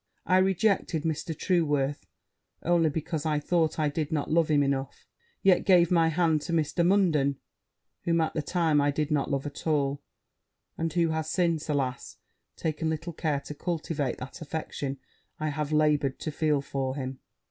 I rejected Mr. Trueworth only because I thought I did not love him enough; yet gave my hand to Mr. Munden, whom, at that time, I did not love at all; and who has since, alas! taken little care to cultivate that affection I have laboured to feel for him.'